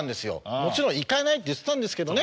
もちろん行かないって言ってたんですけどね。